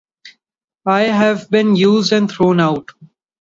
I have been used and thrown out.